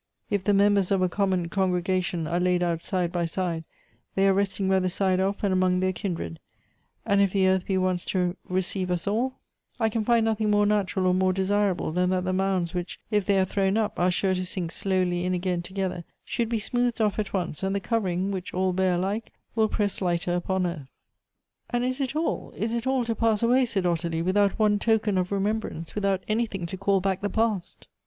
If the members of a common congregation are laid out side by side, they are resting by the side of, and among their kindred ; and, if the earth be once to receive us all, I can find nothing more natural or more desirable than that the mounds, which, if they are thrown up, are sure to sink slowly in again together, should be smoothed ofi" at once, and the covering, which all bear alike, will press lighter upon each." "And is it all, is it all to pass away," said Ottilie, "without one token of remembrance, without anything to call back the past